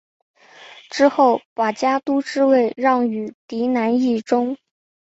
之后把家督之位让与嫡男义忠。